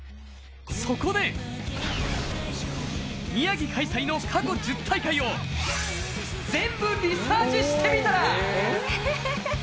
そこで、宮城開催の過去１０大会を全部リサーチしてみたら！